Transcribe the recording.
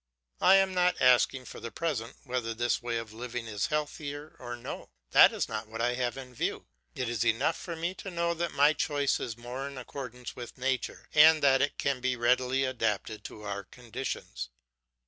I am not asking, for the present, whether this way of living is healthier or no; that is not what I have in view. It is enough for me to know that my choice is more in accordance with nature, and that it can be more readily adapted to other conditions.